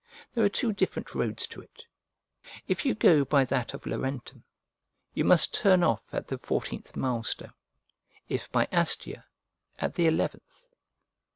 There are two different roads to it: if you go by that of Laurentum, you must turn off at the fourteenth mile stone; if by Astia, at the eleventh.